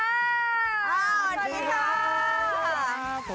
อ้าวสวัสดีค่ะ